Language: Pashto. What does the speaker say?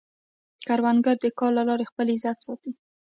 کروندګر د کار له لارې خپل عزت ساتي